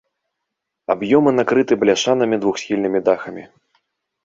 Аб'ёмы накрыты бляшанымі двухсхільнымі дахамі.